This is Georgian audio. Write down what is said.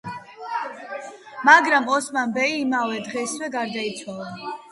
მაგრამ, ოსმან ბეი იმავე დღესვე გარდაიცვალა.